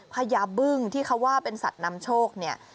พญาบึ้งที่เขาว่าเป็นสัตว์นำโชคเนี่ย